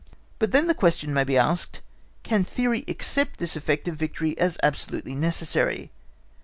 But then the question may be asked, Can theory accept this effect of victory as absolutely necessary?